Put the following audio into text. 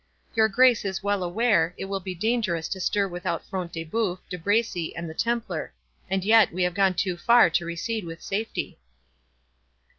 Your Grace is well aware, it will be dangerous to stir without Front de Bœuf, De Bracy, and the Templar; and yet we have gone too far to recede with safety."